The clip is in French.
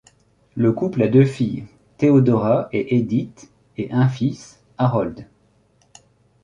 Le couple a deux filles, Theodora et Edith, et un fils, Harold.